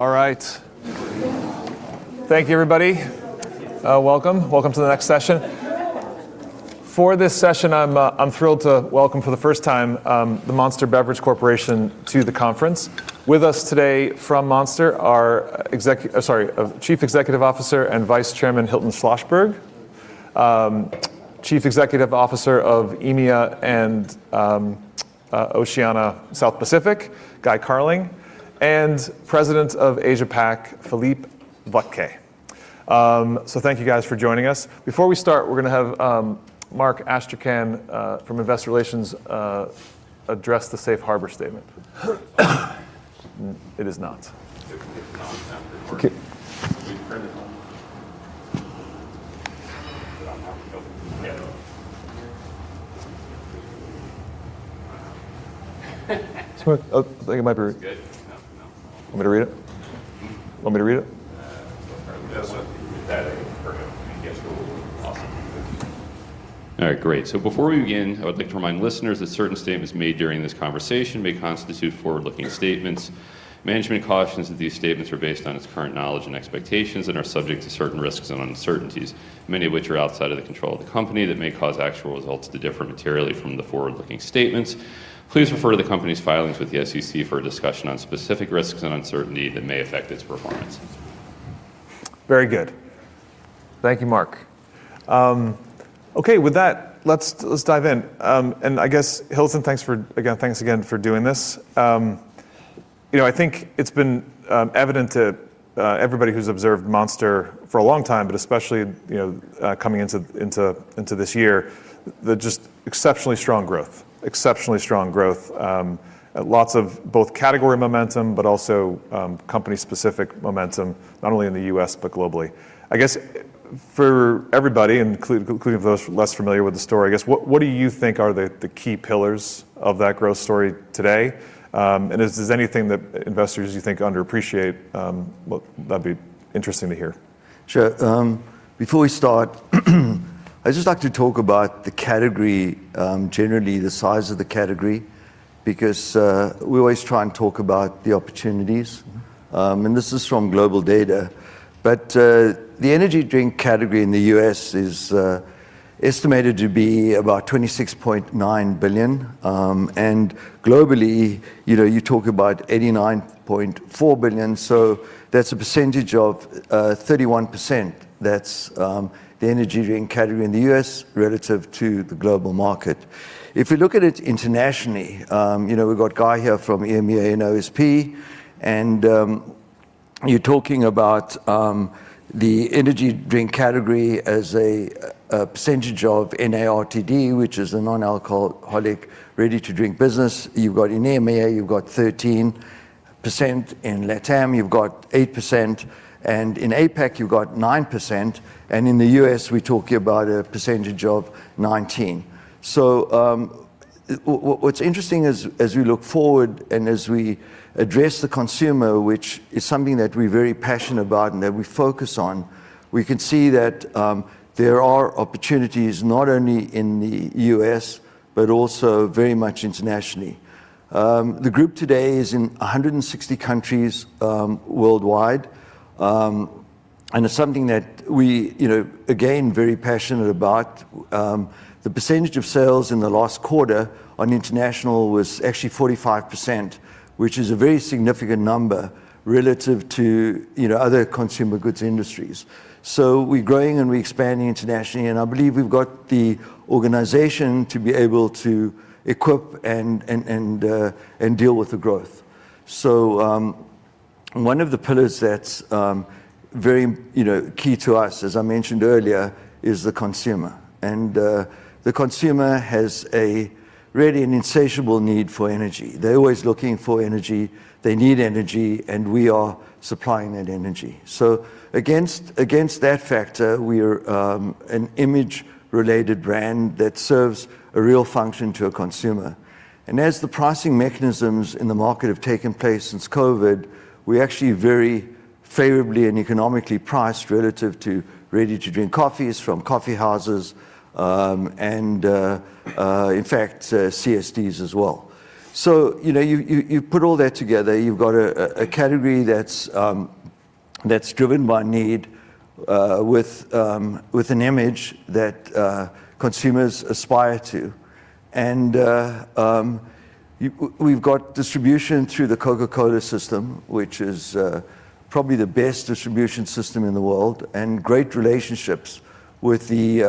All right. Thank you, everybody. Welcome to the next session. For this session, I'm thrilled to welcome for the first time, the Monster Beverage Corporation to the conference. With us today from Monster are Chief Executive Officer and Vice Chairman, Hilton Schlosberg, Chief Executive Officer of EMEA and Oceania South Pacific, Guy Carling, and President of Asia-Pac, Philippe Buche. Thank you guys for joining us. Before we start, we're going to have Mark Astrachan from Investor Relations address the safe harbor statement. It is not. It's not. Okay. I think it might be. It's good. No. You want me to read it? Hmm? You want me to read it? No, that's what. With that in for him. I think that's cool. Awesome. All right, great. Before we begin, I would like to remind listeners that certain statements made during this conversation may constitute forward-looking statements. Management cautions that these statements are based on its current knowledge and expectations and are subject to certain risks and uncertainties, many of which are outside of the control of the company that may cause actual results to differ materially from the forward-looking statements. Please refer to the company's filings with the SEC for a discussion on specific risks and uncertainty that may affect its performance. Very good. Thank you, Mark. Okay, with that, let's dive in. I guess, Hilton, thanks again for doing this. I think it's been evident to everybody who's observed Monster for a long time, but especially, coming into this year, the just exceptionally strong growth. Lots of both category momentum, but also company specific momentum, not only in the U.S., but globally. I guess for everybody, including for those less familiar with the story, I guess, what do you think are the key pillars of that growth story today? Is there anything that investors you think underappreciate, that'd be interesting to hear? Sure. Before we start, I'd just like to talk about the category, generally the size of the category, because we always try and talk about the opportunities. This is from GlobalData. The energy drink category in the U.S. is estimated to be about $26.9 billion. Globally, you talk about $89.4 billion. That's a percentage of 31%. That's the energy drink category in the U.S. relative to the global market. If we look at it internationally, we've got Guy here from EMEA and OSP. You're talking about the energy drink category as a percentage of NARTD, which is a non-alcoholic ready-to-drink business. You've got in EMEA, you've got 13%. In LATAM, you've got 8%. In APAC, you've got 9%. In the U.S., we're talking about a percentage of 19%. What's interesting is as we look forward and as we address the consumer, which is something that we're very passionate about and that we focus on, we can see that there are opportunities not only in the U.S., but also very much internationally. The group today is in 160 countries worldwide. It's something that we, again, very passionate about. The percentage of sales in the last quarter on international was actually 45%, which is a very significant number relative to other consumer goods industries. We're growing and we're expanding internationally, and I believe we've got the organization to be able to equip and deal with the growth. One of the pillars that's very key to us, as I mentioned earlier, is the consumer. The consumer has really an insatiable need for energy. They're always looking for energy, they need energy, and we are supplying that energy. Against that factor, we are an image-related brand that serves a real function to a consumer. As the pricing mechanisms in the market have taken place since COVID, we're actually very favorably and economically priced relative to ready-to-drink coffees from coffee houses, and in fact, CSDs as well. You put all that together, you've got a category that's driven by need, with an image that consumers aspire to. We've got distribution through the Coca-Cola system, which is probably the best distribution system in the world, and great relationships with the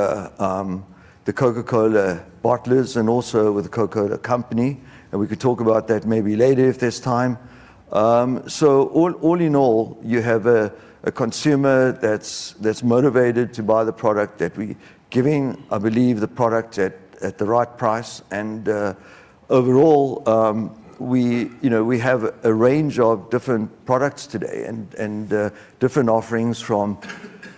Coca-Cola bottlers and also with The Coca-Cola Company. We could talk about that maybe later if there's time. All in all, you have a consumer that's motivated to buy the product that we giving, I believe, the product at the right price. Overall, we have a range of different products today and different offerings from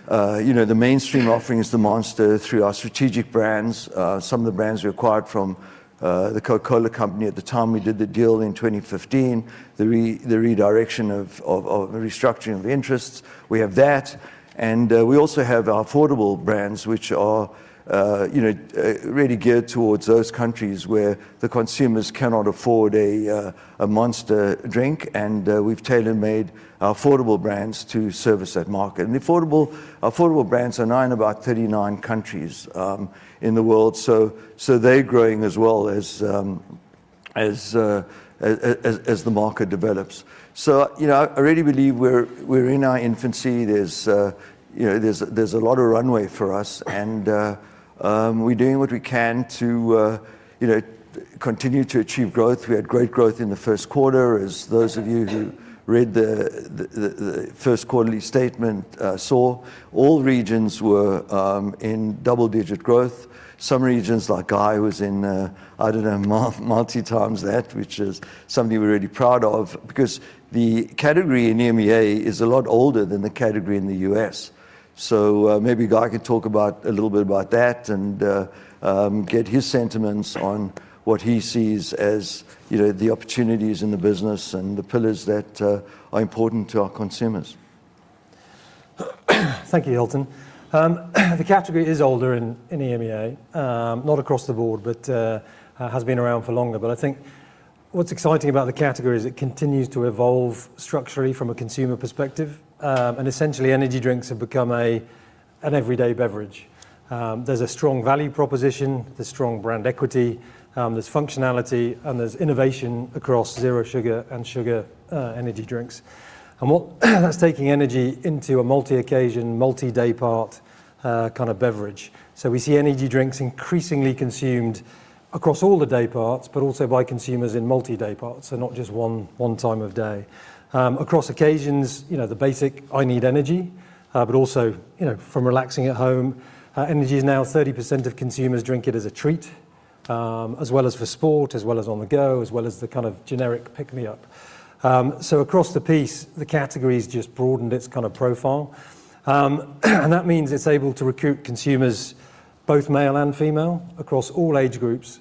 the mainstream offerings, the Monster through our strategic brands, some of the brands we acquired from The Coca-Cola Company at the time we did the deal in 2015, the redirection of the restructuring of interests. We have that, and we also have our affordable brands, which are really geared towards those countries where the consumers cannot afford a Monster drink, and we've tailor-made affordable brands to service that market. Affordable brands are now in about 39 countries in the world. They're growing as well as the market develops. I really believe we're in our infancy. There's a lot of runway for us, and we're doing what we can to continue to achieve growth. We had great growth in the first quarter. As those of you who read the first quarterly statement saw, all regions were in double-digit growth. Some regions, like Guy, was in, I don't know, multi times that, which is something we're really proud of because the category in EMEA is a lot older than the category in the U.S. Maybe Guy could talk a little bit about that and get his sentiments on what he sees as the opportunities in the business and the pillars that are important to our consumers. Thank you, Hilton. The category is older in EMEA, not across the board, but has been around for longer. I think what's exciting about the category is it continues to evolve structurally from a consumer perspective. Essentially, energy drinks have become an everyday beverage. There's a strong value proposition, there's strong brand equity, there's functionality, and there's innovation across zero sugar and sugar energy drinks. That's taking energy into a multi-occasion, multi-daypart kind of beverage. We see energy drinks increasingly consumed across all the dayparts, but also by consumers in multi-dayparts, not just one time of day. Across occasions, the basic, I need energy, but also from relaxing at home. Energy is now 30% of consumers drink it as a treat, as well as for sport, as well as on the go, as well as the kind of generic pick me up. Across the piece, the category's just broadened its kind of profile. That means it's able to recruit consumers, both male and female, across all age groups.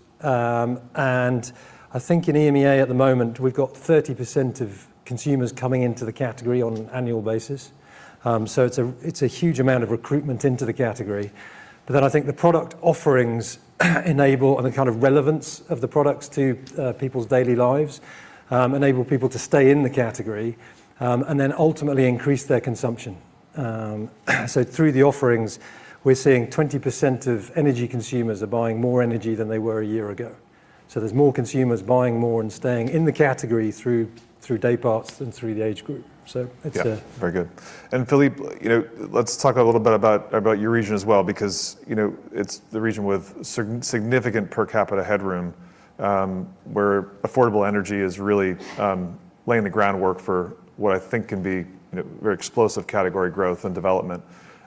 I think in EMEA at the moment, we've got 30% of consumers coming into the category on an annual basis. It's a huge amount of recruitment into the category. I think the product offerings enable, and the kind of relevance of the products to people's daily lives, enable people to stay in the category, and then ultimately increase their consumption. Through the offerings, we're seeing 20% of energy consumers are buying more energy than they were a year ago. There's more consumers buying more and staying in the category through dayparts and through the age group. Yeah. Very good. Philippe, let's talk a little bit about your region as well, because it's the region with significant per capita headroom, where affordable energy is really laying the groundwork for what I think can be very explosive category growth and development.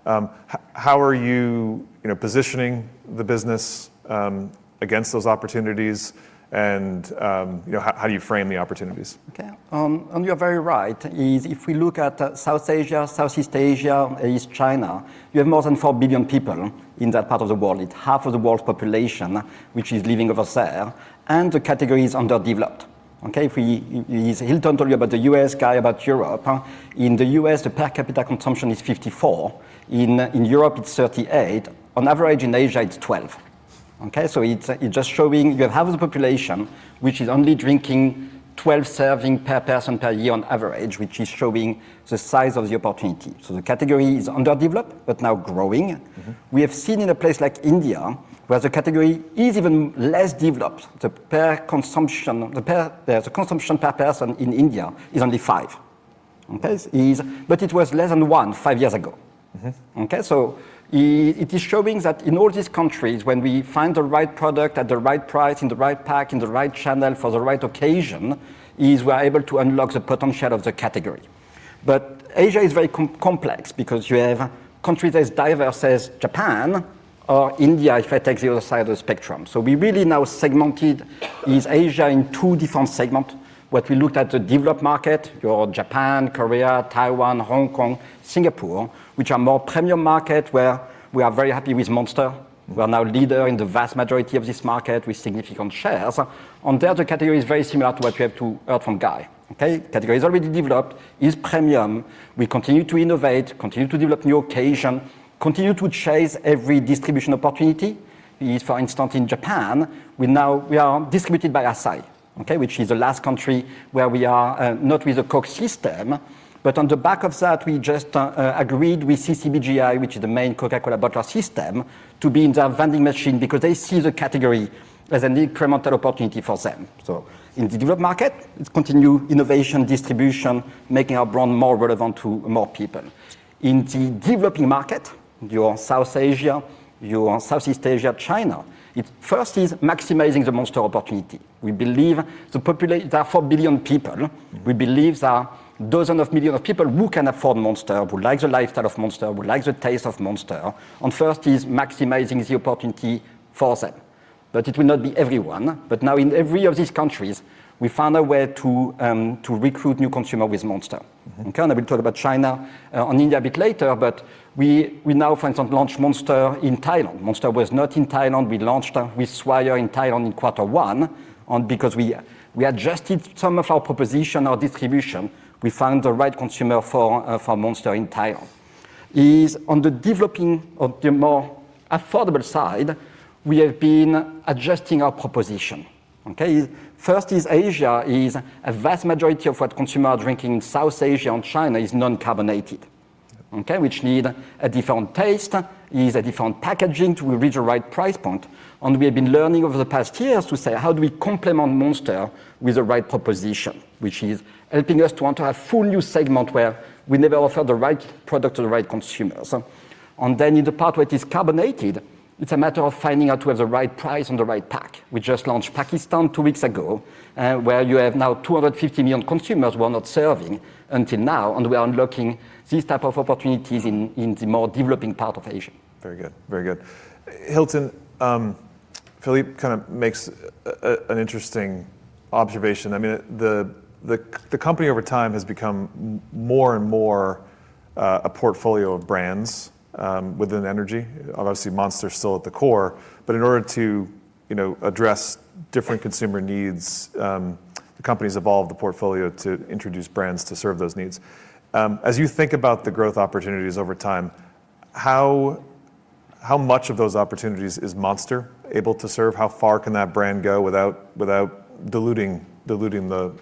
How are you positioning the business against those opportunities and how do you frame the opportunities? Okay. You are very right, if we look at South Asia, Southeast Asia, East China, you have more than 4 billion people in that part of the world. It's half of the world's population which is living over there, and the category is underdeveloped. Okay. Hilton told you about the U.S., Guy about Europe. In the U.S., the per capita consumption is 54. In Europe, it's 38. On average, in Asia, it's 12. Okay. It's just showing you have half of the population, which is only drinking 12 serving per person per year on average, which is showing the size of the opportunity. The category is underdeveloped, but now growing. We have seen in a place like India, where the category is even less developed, the consumption per person in India is only five. Okay? It was less than one five years ago. Okay. It is showing that in all these countries, when we find the right product at the right price, in the right pack, in the right channel, for the right occasion, we are able to unlock the potential of the category. Asia is very complex because you have a country that is diverse as Japan or India, if I take the other side of the spectrum. We really now segmented East Asia in two different segment, what we looked at the developed market, your Japan, Korea, Taiwan, Hong Kong, Singapore, which are more premium market where we are very happy with Monster. We are now leader in the vast majority of this market with significant shares. The other category is very similar to what you have heard from Guy. Okay. Category is already developed, is premium. We continue to innovate, continue to develop new occasion, continue to chase every distribution opportunity. For instance, in Japan, we are distributed by Asahi. Okay? Which is the last country where we are not with the Coke system. On the back of that, we just agreed with CCBJI, which is the main Coca-Cola bottler system, to be in their vending machine because they see the category as an incremental opportunity for them. In the developed market, it's continued innovation, distribution, making our brand more relevant to more people. In the developing market, your South Asia, your Southeast Asia, China, it first is maximizing the Monster opportunity. There are 4 billion people. We believe there are dozens of millions of people who can afford Monster, who like the lifestyle of Monster, who like the taste of Monster, and first is maximizing the opportunity for them. It will not be everyone. Now in every of these countries, we found a way to recruit new consumer with Monster. Okay, we'll talk about China and India a bit later, we now for instance launched Monster in Thailand. Monster was not in Thailand. We launched with Swire in Thailand in Q1, because we adjusted some of our proposition, our distribution. We found the right consumer for Monster in Thailand. On the developing, or the more affordable side, we have been adjusting our proposition. Okay. First, Asia is a vast majority of what consumer are drinking South Asia and China is non-carbonated, which need a different taste, needs a different packaging to reach the right price point. We have been learning over the past years to say, how do we complement Monster with the right proposition, which is helping us to enter a full new segment where we never offer the right product to the right consumers. In the part where it is carbonated, it's a matter of finding out to have the right price and the right pack. We just launched Pakistan two weeks ago, where you have now 250 million consumers we're not serving until now, and we are unlocking these type of opportunities in the more developing part of Asia. Very good. Very good. Hilton, Philippe kind of makes an interesting observation. I mean, the company over time has become more and more a portfolio of brands, within energy. Obviously, Monster's still at the core. In order to address different consumer needs, the company's evolved the portfolio to introduce brands to serve those needs. As you think about the growth opportunities over time, how much of those opportunities is Monster able to serve? How far can that brand go without diluting the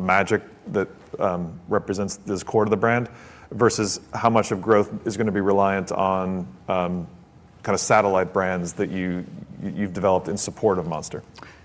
magic that represents this core to the brand, versus how much of growth is going to be reliant on kind of satellite brands that you've developed in support of Monster?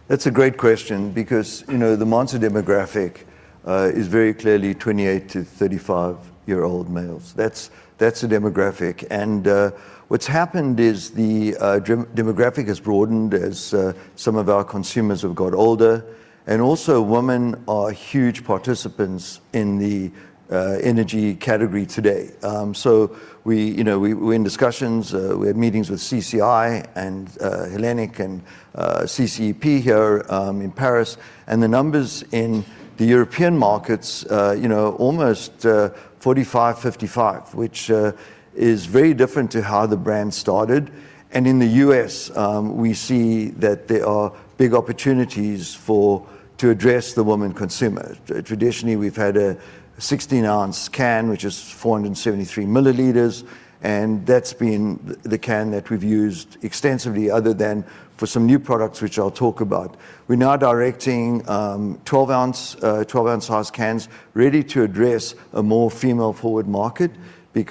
That's a great question because the Monster demographic is very clearly 28 to 35-year-old males. That's the demographic. What's happened is the demographic has broadened as some of our consumers have got older. Also, women are huge participants in the energy category today. We're in discussions, we had meetings with CCI and Hellenic and CCEP here in Paris. The numbers in the European markets, almost 45/55, which is very different to how the brand started. In the U.S., we see that there are big opportunities to address the woman consumer. Traditionally, we've had a 16-ounce can, which is 473 mL, and that's been the can that we've used extensively other than for some new products, which I'll talk about. We're now directing 12-ounce size cans really to address a more female-forward market. The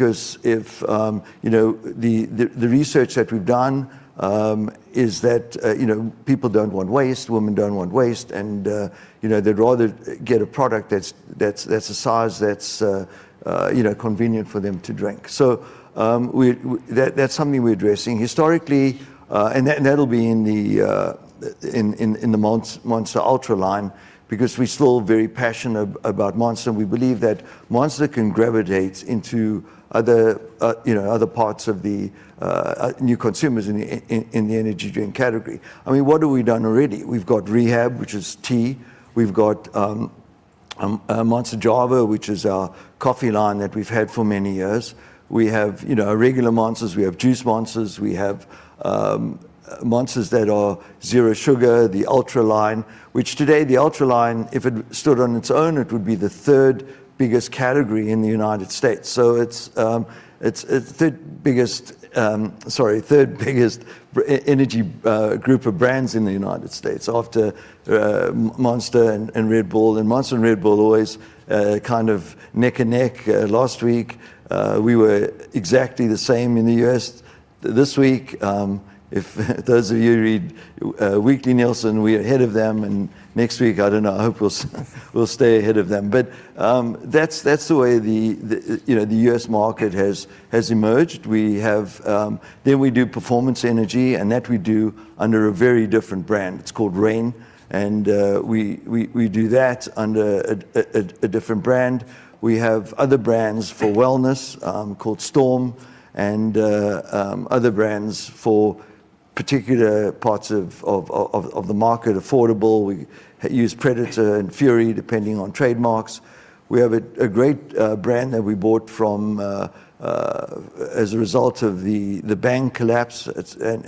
research that we've done, is that people don't want waste, women don't want waste, and they'd rather get a product that's a size that's convenient for them to drink. That's something we're addressing. That'll be in the Monster Ultra line because we're still very passionate about Monster, and we believe that Monster can gravitate into other parts of the new consumers in the energy drink category. I mean, what have we done already? We've got Rehab, which is tea. We've got Java Monster, which is our coffee line that we've had for many years. We have regular Monsters, we have Juice Monster, we have Monsters that are zero sugar, the Ultra line. Which today, the Ultra line, if it stood on its own, it would be the third-biggest category in the United States. It's the third-biggest energy group of brands in the U.S. after Monster and Red Bull. Monster and Red Bull are always kind of neck and neck. Last week, we were exactly the same in the U.S. This week, if those of you read Weekly Nielsen, we're ahead of them. Next week, I don't know. I hope we'll stay ahead of them. That's the way the U.S. market has emerged. We do performance energy. That we do under a very different brand. It's called Reign. We do that under a different brand. We have other brands for wellness, called Storm. Other brands for particular parts of the market. Affordable, we use Predator and Fury, depending on trademarks. We have a great brand that we bought as a result of the Bang collapse.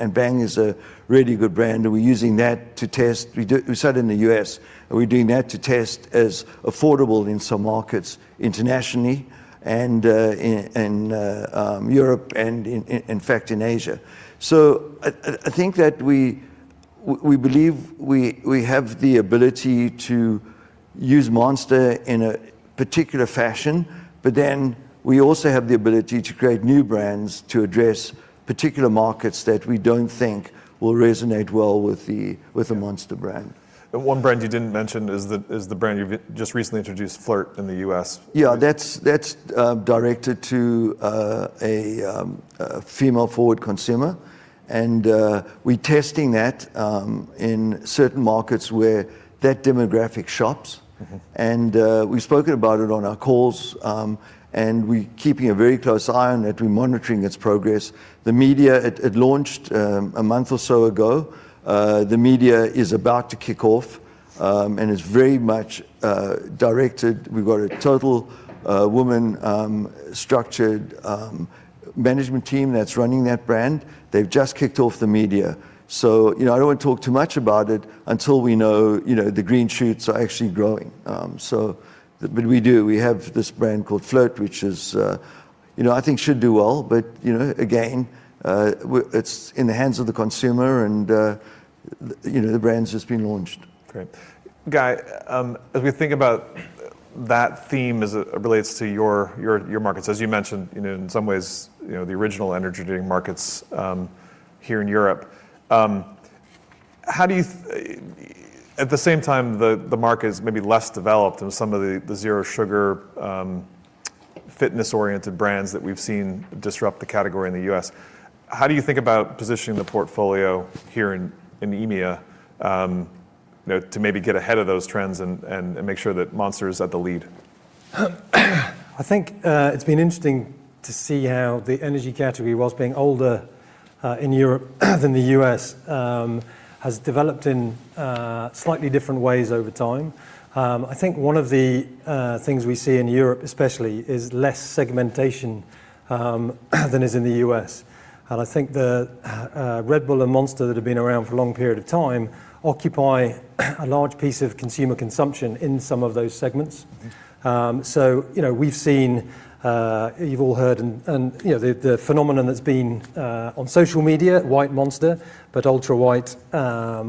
Bang is a really good brand, and we're using that to test. We sell it in the U.S., and we're doing that to test as affordable in some markets internationally and in Europe and in fact, in Asia. I think that we believe we have the ability to use Monster in a particular fashion, but then we also have the ability to create new brands to address particular markets that we don't think will resonate well with the Monster brand. One brand you didn't mention is the brand you've just recently introduced, FLRT, in the U.S. Yeah, that's directed to a female-forward consumer. We're testing that in certain markets where that demographic shops. We've spoken about it on our calls, and we're keeping a very close eye on it. We're monitoring its progress. It launched a month or so ago. The media is about to kick off, and it's very much directed. We've got a total woman structured management team that's running that brand. They've just kicked off the media. I don't want to talk too much about it until we know the green shoots are actually growing. We do, we have this brand called FLRT, which I think should do well. Again, it's in the hands of the consumer and the brand's just been launched. Great. Guy, as we think about that theme as it relates to your markets, as you mentioned, in some ways, the original energy drink markets here in Europe. At the same time, the market is maybe less developed in some of the zero sugar, fitness-oriented brands that we've seen disrupt the category in the U.S. How do you think about positioning the portfolio here in EMEA to maybe get ahead of those trends and make sure that Monster is at the lead? I think it's been interesting to see how the energy category, whilst being older in Europe than the U.S., has developed in slightly different ways over time. I think one of the things we see in Europe especially is less segmentation than is in the U.S., I think that Red Bull and Monster that have been around for a long period of time occupy a large piece of consumer consumption in some of those segments. We've seen, you've all heard, and the phenomenon that's been on social media, white Monster, but Ultra White,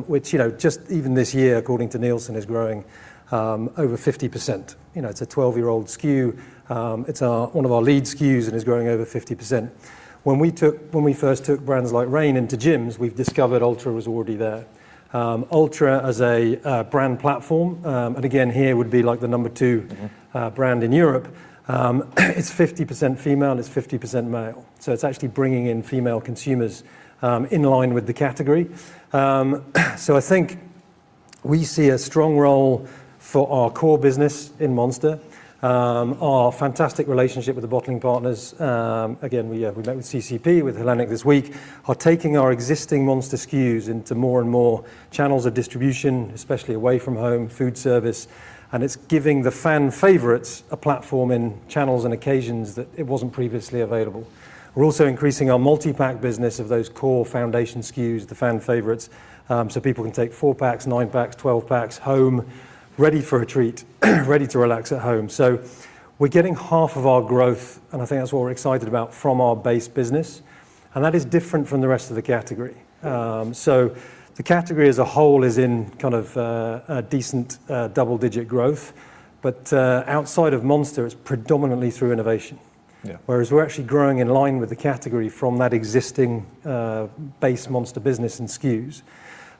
which, just even this year, according to Nielsen, is growing over 50%. It's a 12-year-old SKU. It's one of our lead SKUs and is growing over 50%. When we first took brands like Reign into gyms, we've discovered Ultra was already there. Ultra, as a brand platform, and again, here would be the number two brand in Europe, is 50% female and is 50% male. It's actually bringing in female consumers in line with the category. I think we see a strong role for our core business in Monster. Our fantastic relationship with the bottling partners, again, we met with CCEP, with Coca-Cola HBC this week, are taking our existing Monster SKUs into more and more channels of distribution, especially away-from-home food service, and it's giving the fan favorites a platform in channels and occasions that it wasn't previously available. We're also increasing our multi-pack business of those core foundation SKUs, the fan favorites, so people can take four packs, nine packs, 12 packs home, ready for a treat, ready to relax at home. We're getting half of our growth, and I think that's what we're excited about, from our base business. That is different from the rest of the category. Yeah. The category as a whole is in a decent double-digit growth. Outside of Monster, it's predominantly through innovation. Yeah. We're actually growing in line with the category from that existing base Monster business and SKUs,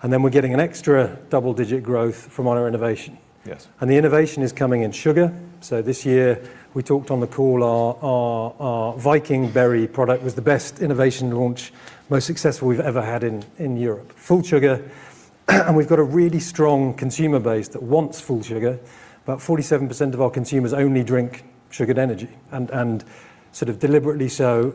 and then we're getting an extra double-digit growth from our innovation. Yes. The innovation is coming in sugar. This year we talked on the call, our Viking Berry product was the best innovation launch, most successful we've ever had in Europe. Full sugar. We've got a really strong consumer base that wants full sugar. About 47% of our consumers only drink sugared energy, sort of deliberately so.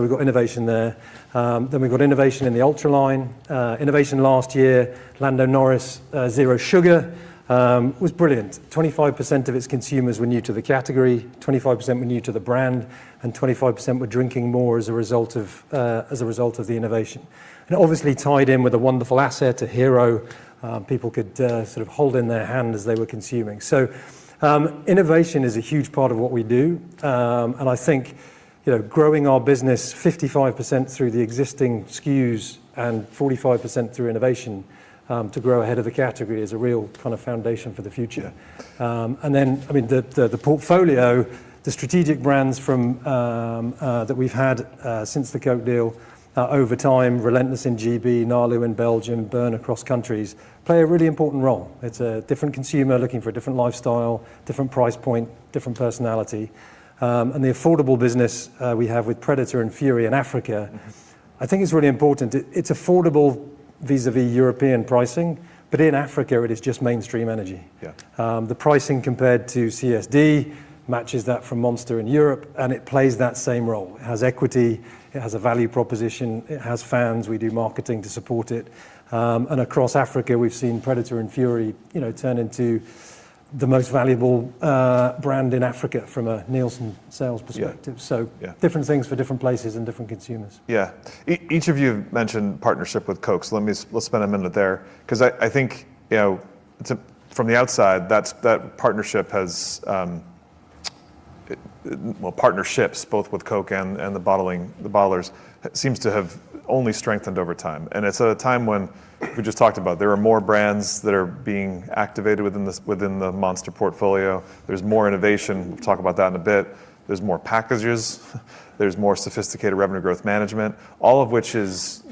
We've got innovation there. We've got innovation in the Ultra line. Innovation last year, Lando Norris, Zero Sugar, was brilliant. 25% of its consumers were new to the category, 25% were new to the brand, 25% were drinking more as a result of the innovation. Obviously tied in with a wonderful asset, a hero people could sort of hold in their hand as they were consuming. Innovation is a huge part of what we do. I think growing our business 55% through the existing SKUs and 45% through innovation to grow ahead of the category is a real kind of foundation for the future. The portfolio, the strategic brands that we've had since the Coke deal, over time, Relentless in U.K., Nalu in Belgium, Burn across countries, play a really important role. It's a different consumer looking for a different lifestyle, different price point, different personality. The affordable business we have with Predator and Fury in Africa, I think is really important. It's affordable vis-à-vis European pricing, but in Africa, it is just mainstream energy. Yeah. The pricing compared to CSD matches that from Monster in Europe, and it plays that same role. It has equity, it has a value proposition, it has fans. We do marketing to support it. Across Africa, we've seen Predator and Fury turn into the most valuable brand in Africa from a Nielsen sales perspective. Yeah. Different things for different places and different consumers. Yeah. Each of you have mentioned partnership with Coke, so let's spend a minute there, because I think from the outside, that partnership has, well, partnerships both with Coke and the bottlers, seems to have only strengthened over time. It's at a time when we just talked about, there are more brands that are being activated within the Monster portfolio. There's more innovation. We'll talk about that in a bit. There's more packages, there's more sophisticated revenue growth management, all of which is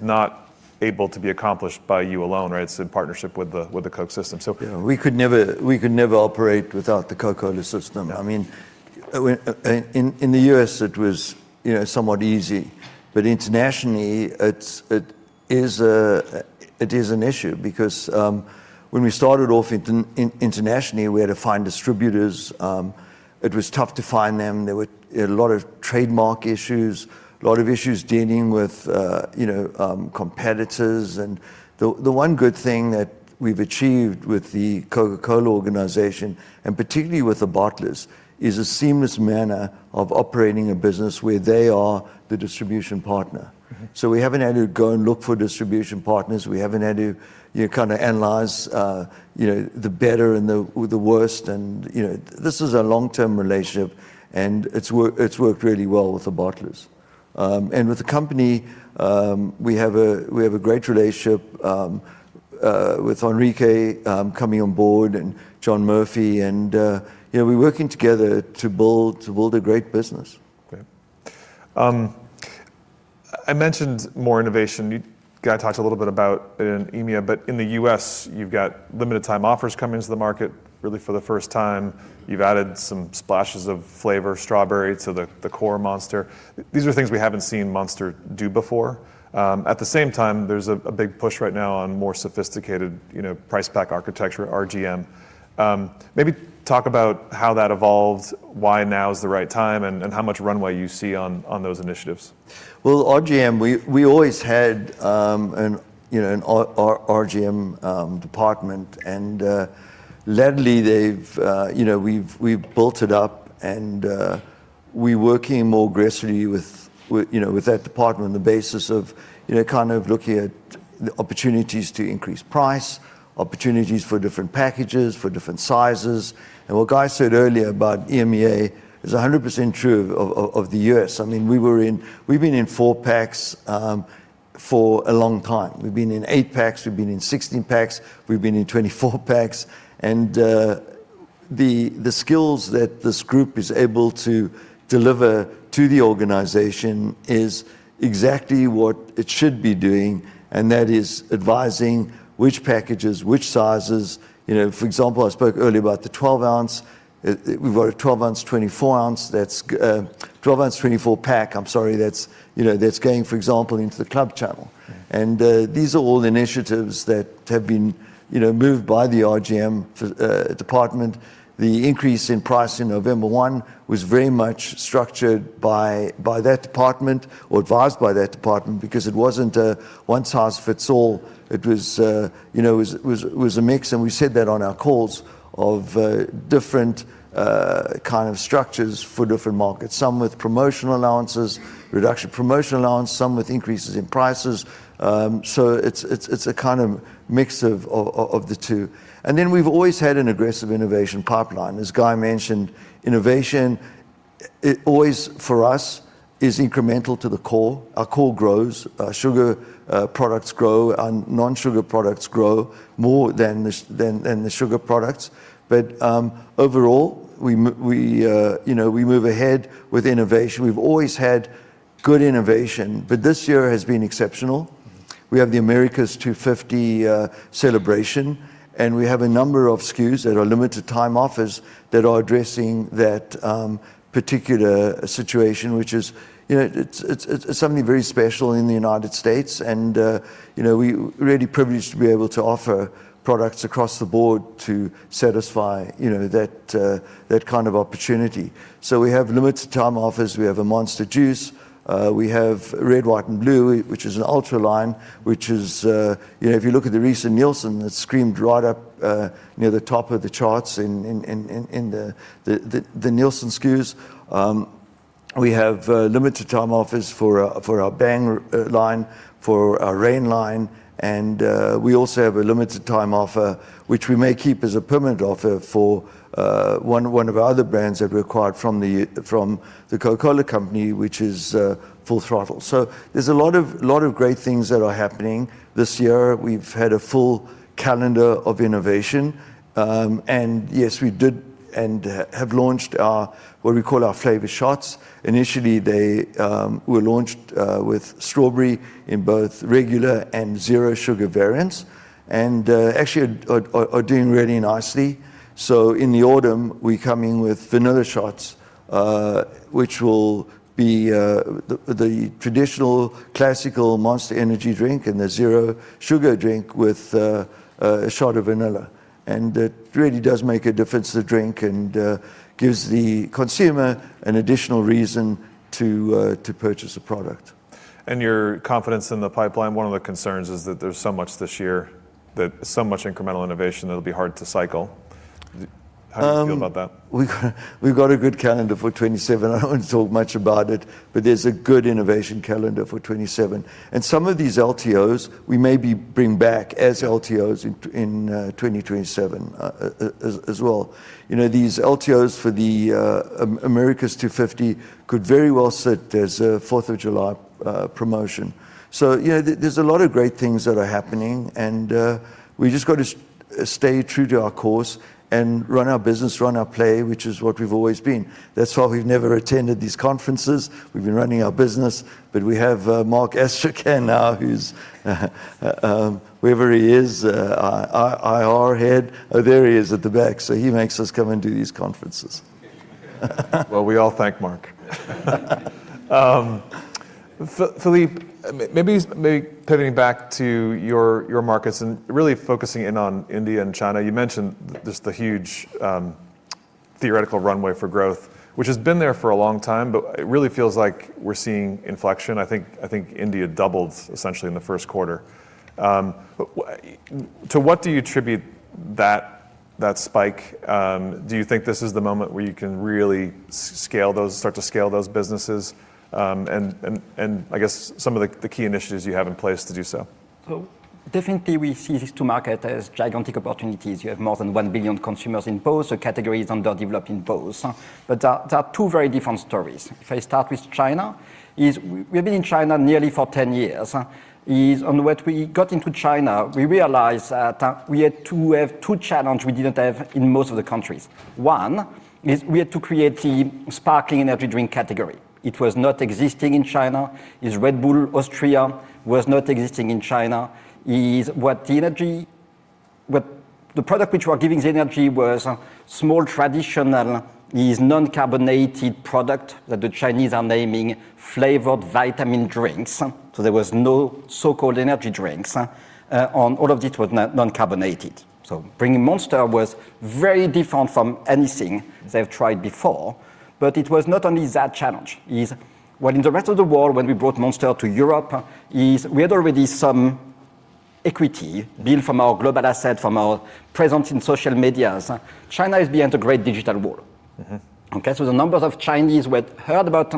not able to be accomplished by you alone, right? It's in partnership with the Coke system. Yeah, we could never operate without the Coca-Cola system. In the U.S. it was somewhat easy, but internationally, it is an issue because when we started off internationally, we had to find distributors. It was tough to find them. There were a lot of trademark issues, a lot of issues dealing with competitors. The one good thing that we've achieved with the Coca-Cola organization, and particularly with the bottlers, is a seamless manner of operating a business where they are the distribution partner. We haven't had to go and look for distribution partners. We haven't had to analyze the better and the worst. This is a long-term relationship, and it's worked really well with the bottlers. With the company, we have a great relationship with Enrique coming on board, and John Murphy, and we're working together to build a great business. Okay. I mentioned more innovation. Guy talked a little bit about it in EMEA, but in the U.S. you've got limited time offers coming into the market really for the first time. You've added some splashes of flavor, strawberry to the core Monster. These are things we haven't seen Monster do before. At the same time, there's a big push right now on more sophisticated price pack architecture, RGM. Maybe talk about how that evolved, why now is the right time, and how much runway you see on those initiatives. Well, RGM, we always had an RGM department. Lately we've built it up and we're working more aggressively with that department on the basis of looking at the opportunities to increase price, opportunities for different packages, for different sizes. What Guy said earlier about EMEA is 100% true of the U.S. We've been in 4 packs for a long time. We've been in eight packs, we've been in 16 packs, we've been in 24 packs. The skills that this group is able to deliver to the organization is exactly what it should be doing, that is advising which packages, which sizes. For example, I spoke earlier about the 12 ounce. We've got a 12 ounce, 24 ounce 12 ounce, 24 pack, I'm sorry, that's going, for example, into the club channel. These are all initiatives that have been moved by the RGM department. The increase in price in November 1 was very much structured by that department, or advised by that department, because it wasn't a one-size-fits-all. It was a mix, and we said that on our calls, of different kind of structures for different markets. Some with promotional allowances, reduction promotional allowance, some with increases in prices. It's a kind of mix of the two. We've always had an aggressive innovation pipeline. As Guy mentioned, innovation, it always for us is incremental to the core. Our core grows, our sugar products grow. Our non-sugar products grow more than the sugar products. Overall we move ahead with innovation. We've always had good innovation. This year has been exceptional. We have the America's 250 celebration. We have a number of SKUs that are limited time offers that are addressing that particular situation, which is something very special in the U.S. We're really privileged to be able to offer products across the board to satisfy that kind of opportunity. We have limited time offers. We have a Monster Juice. We have Red, White, and Blue, which is an ultra line. If you look at the recent Nielsen, it's screamed right up near the top of the charts in the Nielsen SKUs. We have limited time offers for our Bang line, for our Reign line, and we also have a limited time offer, which we may keep as a permanent offer for one of our other brands that we acquired from The Coca-Cola Company, which is Full Throttle. There's a lot of great things that are happening this year. We've had a full calendar of innovation. Yes, we did, and have launched what we call our flavor shots. Initially, they were launched with strawberry in both regular and zero sugar variants, and actually are doing really nicely. In the autumn, we're coming with vanilla shots, which will be the traditional classical Monster Energy drink and the zero sugar drink with a shot of vanilla. It really does make a difference to the drink and gives the consumer an additional reason to purchase a product. Your confidence in the pipeline, one of the concerns is that there's so much this year, that so much incremental innovation that it'll be hard to cycle. How do you feel about that? We've got a good calendar for uncertain. I won't talk much about it. There's a good innovation calendar for uncertain. Some of these LTOs, we may be bringing back as LTOs in uncertain, as well. These LTOs for the America's 250 could very well sit as a Fourth of July promotion. There's a lot of great things that are happening and we just got to stay true to our course and run our business, run our play, which is what we've always been. That's why we've never attended these conferences. We've been running our business. We have Mark Astrachan now, wherever he is, IR head. Oh, there he is at the back. He makes us come and do these conferences. Well, we all thank Mark. Philippe, maybe pivoting back to your markets and really focusing in on India and China. You mentioned just the huge theoretical runway for growth, which has been there for a long time, but it really feels like we're seeing inflection. I think India doubled essentially in the first quarter. To what do you attribute that spike? Do you think this is the moment where you can really start to scale those businesses? I guess some of the key initiatives you have in place to do so? Definitely we see these two markets as gigantic opportunities. You have more than 1 billion consumers in both, categories under developing both. They are two very different stories. If I start with China, we've been in China nearly for 10 years. When we got into China, we realized that we had to have two challenges we didn't have in most of the countries. One is we had to create the sparkling energy drink category. It was not existing in China. Red Bull Austria was not existing in China. The product which was giving the energy was a small, traditional, non-carbonated product that the Chinese are naming flavored vitamin drinks. There was no so-called energy drinks. All of it was non-carbonated. Bringing Monster was very different from anything they've tried before, it was not only that challenge. In the rest of the world, when we brought Monster to Europe, we had already some equity built from our global asset, from our presence in social media. China is behind a great digital wall. Okay. The number of Chinese who had heard about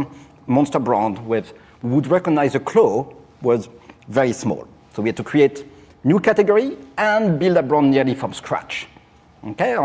Monster brand, who would recognize a claw, was very small. We had to create new category and build a brand nearly from scratch. Okay.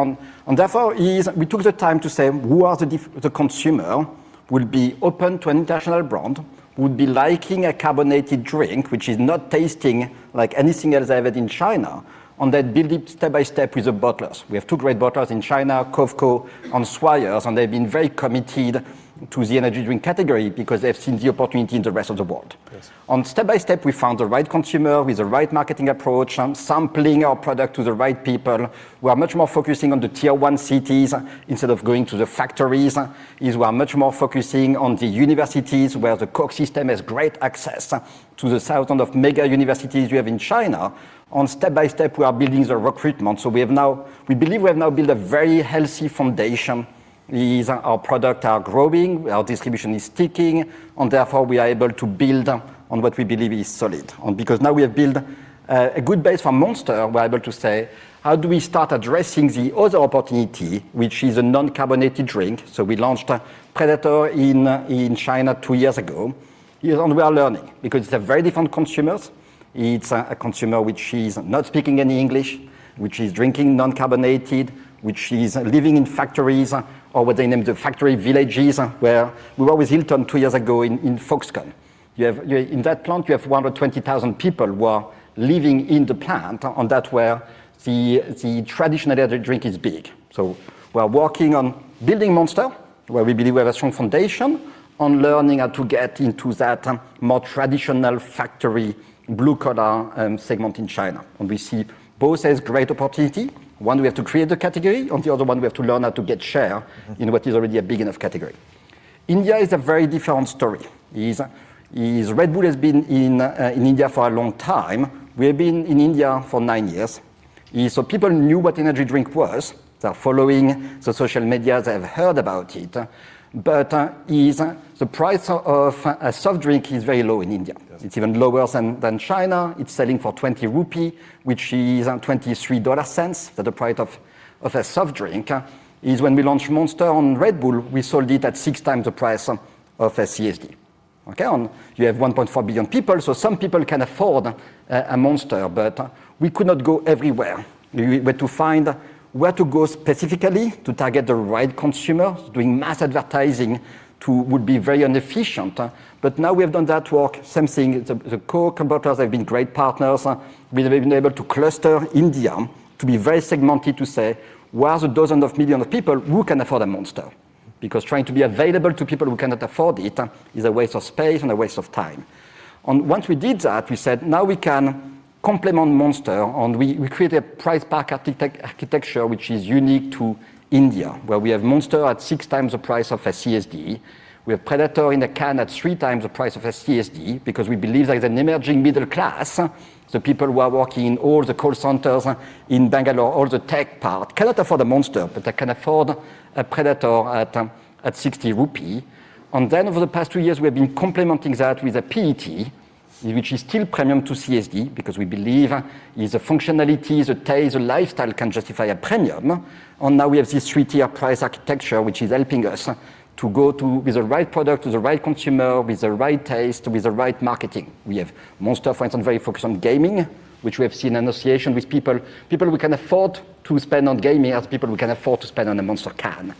Therefore, we took the time to say who are the consumer who will be open to an international brand, who would be liking a carbonated drink which is not tasting like anything else they've had in China, and then build it step by step with the bottlers. We have two great bottlers in China, COFCO and Swire, and they've been very committed to the energy drink category because they've seen the opportunity in the rest of the world. Yes. Step by step, we found the right consumer with the right marketing approach, sampling our product to the right people. We are much more focusing on the tier 1 cities instead of going to the factories. We are much more focusing on the universities, where the Coke system has great access to the thousands of mega universities you have in China, and step by step, we are building the recruitment. We believe we have now built a very healthy foundation. Our product are growing, our distribution is ticking, and therefore, we are able to build on what we believe is solid. Now we have built a good base for Monster, we are able to say, "How do we start addressing the other opportunity, which is a non-carbonated drink?" We launched Predator in China two years ago, and we are learning, because they're very different consumers. It's a consumer which is not speaking any English, which is drinking non-carbonated, which is living in factories, or what they name the factory villages. Where we were with Hilton two years ago in Foxconn. In that plant, you have 120,000 people who are living in the plant, and that's where the traditional energy drink is big. We are working on building Monster, where we believe we have a strong foundation, on learning how to get into that more traditional factory, blue-collar segment in China. We see both as great opportunity. One, we have to create the category, and the other one, we have to learn how to get share in what is already a big enough category. India is a very different story. Red Bull has been in India for a long time. We have been in India for nine years. People knew what energy drink was. They are following the social media. They have heard about it. The price of a soft drink is very low in India. Yes. It's even lower than China. It's selling for 20 rupees, which is $0.23, for the price of a soft drink. When we launched Monster and Red Bull, we sold it at six times the price of a CSD. Okay. You have 1.4 billion people, so some people can afford a Monster, but we could not go everywhere. We had to find where to go specifically to target the right consumer. Doing mass advertising would be very inefficient. Now we have done that work. Same thing, the Coke bottlers have been great partners. We have been able to cluster India to be very segmented to say, "Where's the dozens of millions of people who can afford a Monster?" Trying to be available to people who cannot afford it is a waste of space and a waste of time. Once we did that, we said, now we can complement Monster, and we created a price pack architecture which is unique to India, where we have Monster at 6x the price of a CSD. We have Predator in a can at 3x the price of a CSD because we believe there is an emerging middle class. The people who are working in all the call centers in Bangalore, all the tech part, cannot afford a Monster, but they can afford a Predator at 60 rupees. Over the past two years, we have been complementing that with a PET, which is still premium to CSD because we believe the functionalities, the taste, the lifestyle can justify a premium. Now we have this 3-tier price architecture, which is helping us to go with the right product, with the right consumer, with the right taste, with the right marketing. We have Monster, for instance, very focused on gaming, which we have seen an association with people who can afford to spend on gaming as people who can afford to spend on a Monster can.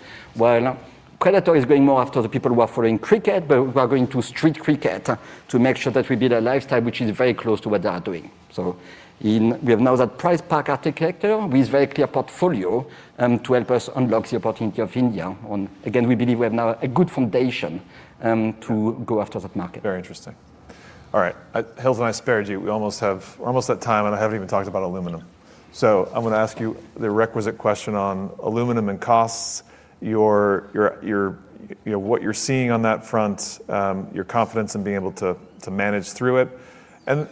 While Predator is going more after the people who are following cricket, but who are going to street cricket, to make sure that we build a lifestyle which is very close to what they are doing. We have now that price pack architecture with very clear portfolio to help us unlock the opportunity of India. Again, we believe we have now a good foundation to go after that market. Very interesting. All right. Hilton, I spared you. We're almost at time, and I haven't even talked about aluminum. I'm going to ask you the requisite question on aluminum and costs, what you're seeing on that front, your confidence in being able to manage through it, and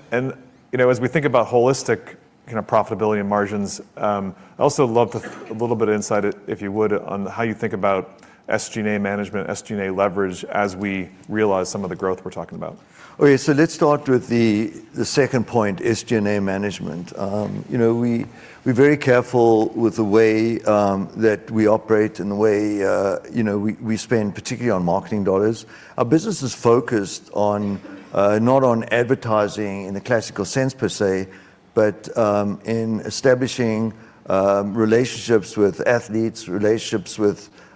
as we think about holistic profitability and margins, I'd also love a little bit of insight, if you would, on how you think about SG&A management, SG&A leverage, as we realize some of the growth we're talking about. Let's start with the second point, SG&A management. We're very careful with the way that we operate and the way we spend, particularly on marketing dollars. Our business is focused not on advertising in the classical sense per se, but in establishing relationships with athletes,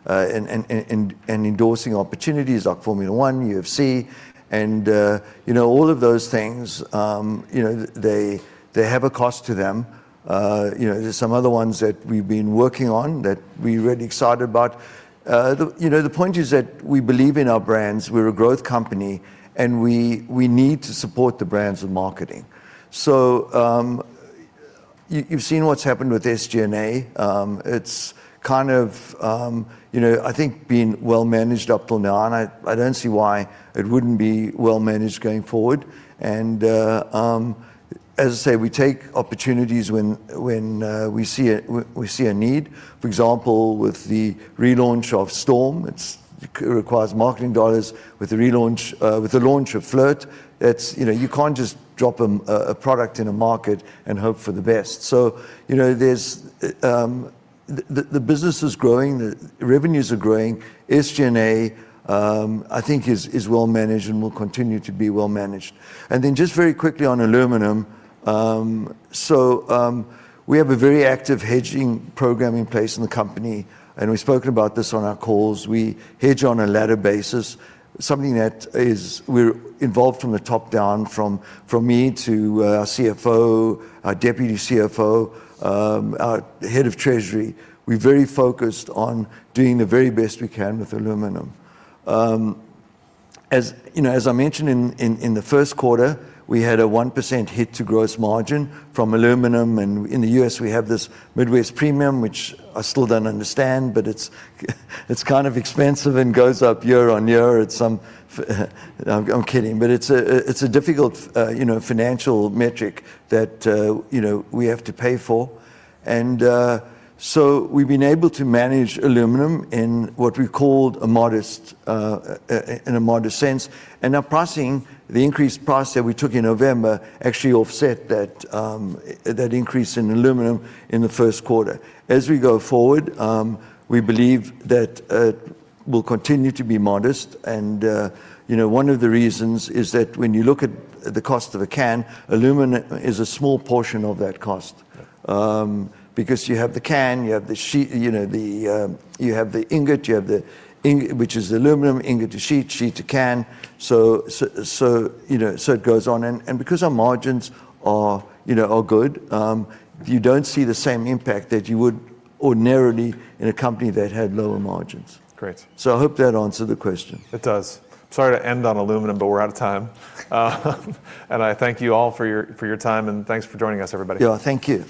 and endorsing opportunities like Formula 1, UFC, and all of those things, they have a cost to them. There's some other ones that we've been working on that we're really excited about. The point is that we believe in our brands. We're a growth company and we need to support the brands with marketing. You've seen what's happened with SG&A. It's kind of, I think, been well managed up till now and I don't see why it wouldn't be well managed going forward. As I say, we take opportunities when we see a need. For example, with the relaunch of Storm. It requires marketing dollars. With the launch of FLRT, you can't just drop a product in a market and hope for the best. The business is growing, the revenues are growing. SG&A I think is well managed and will continue to be well managed. Then just very quickly on aluminum. We have a very active hedging program in place in the company and we've spoken about this on our calls. We hedge on a ladder basis, something that we're involved from the top down, from me to our CFO, our deputy CFO, our head of treasury. We're very focused on doing the very best we can with aluminum. As I mentioned in the first quarter, we had a 1% hit to gross margin from aluminum and in the U.S. we have this Midwest Premium which I still don't understand but it's kind of expensive and goes up year-over-year. I'm kidding but it's a difficult financial metric that we have to pay for. We've been able to manage aluminum in what we called a modest sense and our pricing, the increased price that we took in November actually offset that increase in aluminum in the first quarter. As we go forward, we believe that it will continue to be modest and one of the reasons is that when you look at the cost of a can, aluminum is a small portion of that cost because you have the can, you have the ingot, which is aluminum, ingot to sheet to can. It goes on and because our margins are good, you don't see the same impact that you would ordinarily in a company that had lower margins. Great. I hope that answered the question. It does. Sorry to end on aluminum but we're out of time. I thank you all for your time and thanks for joining us everybody. Yeah. Thank you.